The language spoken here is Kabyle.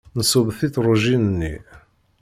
Nṣubb tiṭṛujin-nni.